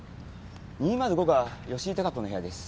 ２０５が吉井孝子の部屋です。